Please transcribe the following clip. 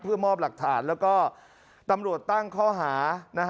เพื่อมอบหลักฐานแล้วก็ตำรวจตั้งข้อหา